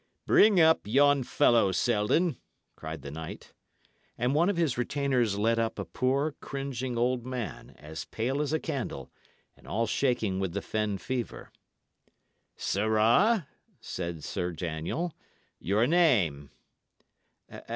"Bring up yon fellow, Selden!" cried the knight. And one of his retainers led up a poor, cringing old man, as pale as a candle, and all shaking with the fen fever. "Sirrah," said Sir Daniel, "your name?"